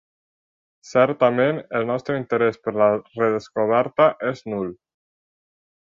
Certament, el nostre interès per la redescoberta és nul.